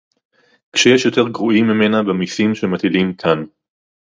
כשיש יותר גרועים ממנה במסים שמטילים כאן